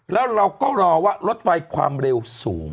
แล้วเราก็รอว่ารถไฟความเร็วสูง